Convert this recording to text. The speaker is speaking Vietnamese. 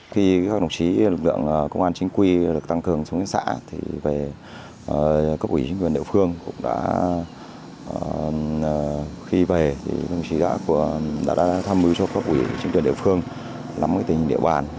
khi các đồng chí lực lượng công an chính quy được tăng cường xuống xã thì về các ủy chính quyền địa phương cũng đã khi về thì đồng chí đã tham mưu cho các ủy chính quyền địa phương lắm cái tình hình địa bàn